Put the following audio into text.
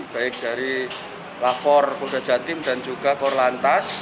baik dari lapor polda jatim dan juga kor lantas